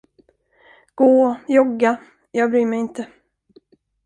Gå, jogga, jag bryr mig inte.